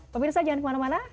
pemirsa jangan kemana mana